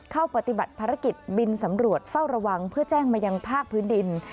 เข้าปฏิบัติภารกิจบินสำรวจเฝ้าระวังเพื่อแจ้งมายังภาคพื้นดิน